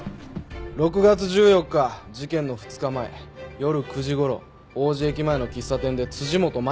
６月１４日事件の２日前夜９時頃王子駅前の喫茶店で辻本マキさんと会ってるな？